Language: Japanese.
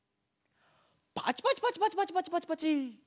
パチパチパチパチパチパチパチパチ。